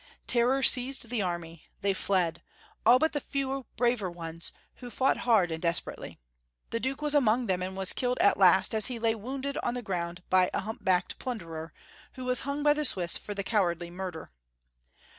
Terror seized the army ; they fled, all but the few braver ones, who fought hard and desperate ly. The Duke was among tbcm, and was killed at last as he lay wounded on the ground by a hump backed plunderer, who was hung by the Swiss for the cowardly murder.